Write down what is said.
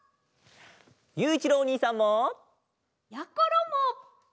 ゆういちろうおにいさんも！やころも！